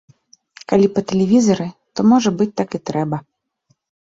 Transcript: Калі па тэлевізары, то можа быць так і трэба.